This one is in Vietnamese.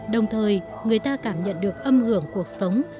đồng thời người ta cảm nhận được âm hưởng cuộc sống